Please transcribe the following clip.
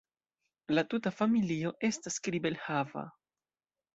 La tuta familio estas kribel-hava.